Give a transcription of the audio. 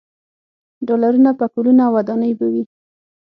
ډالرونه، پکولونه او ودانۍ به وي.